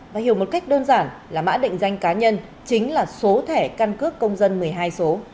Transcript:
và hiểu một cách đơn giản là mã định danh cá nhân chính là số thẻ căn cước công dân một mươi hai số